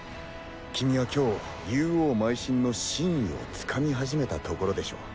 君は今日勇往邁進の真意を掴み始めたところでしょう。